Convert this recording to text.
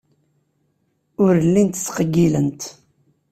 Ur llint ttqeyyilent.